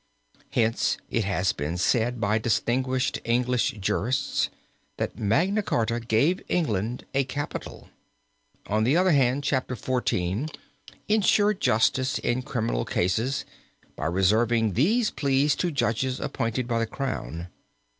Hence it has been said by distinguished English jurists that Magna Charta gave England a Capital. On the other hand Chapter XXIV. insured justice in criminal cases by reserving these pleas to judges appointed by the crown.